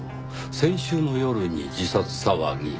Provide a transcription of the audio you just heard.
先週の夜に自殺騒ぎ。